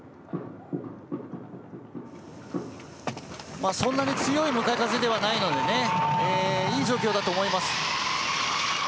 まあそんなに強い向かい風ではないのでねいい状況だと思います。